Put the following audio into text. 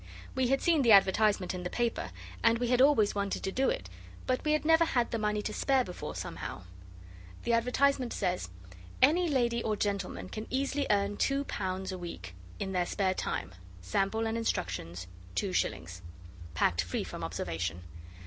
We had seen the advertisement in the paper, and we had always wanted to do it, but we had never had the money to spare before, somehow. The advertisement says: 'Any lady or gentleman can easily earn two pounds a week in their spare time. Sample and instructions, two shillings. Packed free from observation.